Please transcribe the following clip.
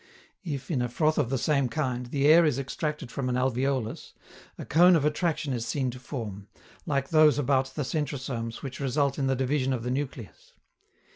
If, in a froth of the same kind, the air is extracted from an alveolus, a cone of attraction is seen to form, like those about the centrosomes which result in the division of the nucleus.